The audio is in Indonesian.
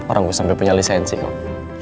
orang gue sampe punya lisensi kok